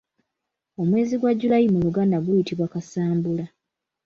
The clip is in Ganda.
Omwezi gwa July mu luganda guyitibwa Kasambula.